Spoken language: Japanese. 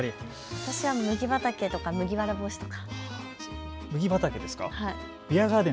私は麦畑とか麦わら帽子とか。